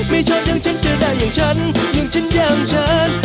ไม่ชอบอย่างฉันจะได้อย่างฉันอย่างฉันอย่างฉัน